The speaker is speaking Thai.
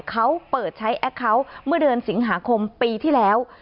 เขาเปิดใช้แอคเคาน์เมื่อเดือนสิงหาคมปีที่แล้ว